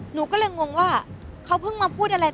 หนูก็เลยงงว่าเขาเพิ่งมาพูดอะไร